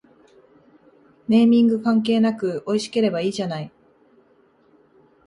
ネーミング関係なくおいしければいいじゃない